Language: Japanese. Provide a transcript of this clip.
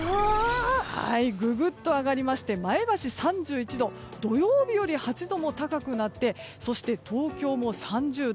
ググっと上がりまして前橋、３１度土曜日より８度も高くなってそして、東京も３０度。